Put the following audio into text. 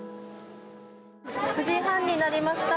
９時半になりました。